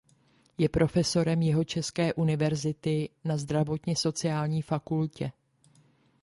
Je profesorem Jihočeské univerzity na Zdravotně sociální fakultě.